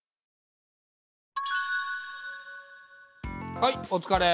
はいおつかれ。